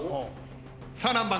さあ何番か？